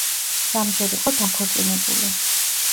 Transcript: სამჯერ იყო დაქორწინებული.